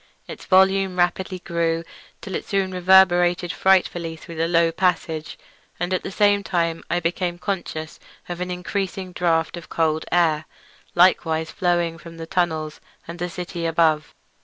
Its volume rapidly grew, till soon it reverberated frightfully through the low passage, and at the same time I became conscious of an increasing draught of cold air, likewise flowing from the tunnels and the city above.